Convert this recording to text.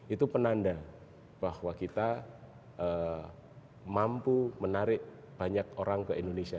itu penanda bahwa kita mampu menarik banyak orang ke indonesia